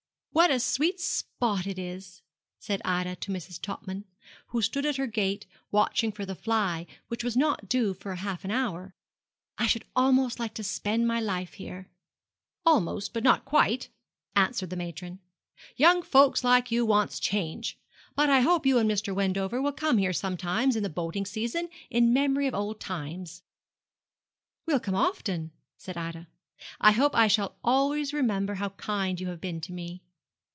'What a sweet spot it is!' said Ida to Mrs. Topman, who stood at her gate, watching for the fly, which was not due for half an hour; 'I should almost like to spend my life here.' 'Almost, but not quite,' answered the matron. 'Young folks like you wants change. But I hope you and Mr. Wendover will come here sometimes in the boating season, in memory of old times.' 'We'll come often,' said Ida; 'I hope I shall always remember how kind you have been to me.'